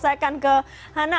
saya akan ke hana